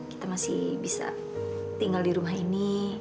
kita masih bisa tinggal di rumah ini